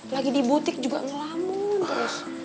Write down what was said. lagi di butik juga ngelamu terus